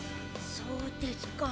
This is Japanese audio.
そうですか。